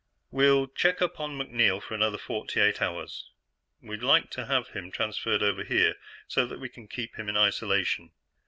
"We'll check up on MacNeil for another forty eight hours. We'd like to have him transferred over here, so that we can keep him in isolation.